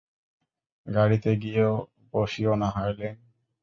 গাড়িতে গিয়ে বসিও না, হারলিন।